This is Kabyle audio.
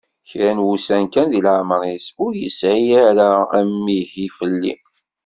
Kra n wussan kan di leɛmer-is ur yesɛi ara amihi fell-i.